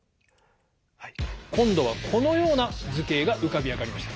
はい今度はこのような図形が浮かび上がりました。